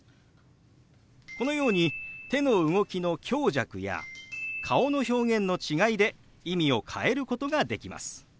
このように手の動きの強弱や顔の表現の違いで意味を変えることができます。